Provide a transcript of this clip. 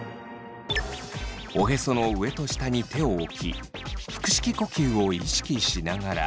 おへその上と下に手を置き腹式呼吸を意識しながら。